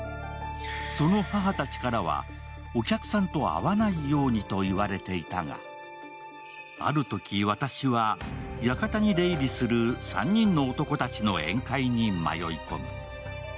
その母たちからはお客さんと会わないように言われていたがあるとき、私は館に出入りする３人の男たちの宴会に迷い混む。